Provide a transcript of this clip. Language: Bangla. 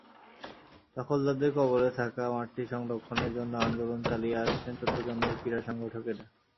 দখলদারদের কবলে থাকা মাঠটি সংরক্ষণের জন্য আন্দোলন চালিয়ে আসছেন চট্টগ্রামের ক্রীড়া সংগঠকেরা।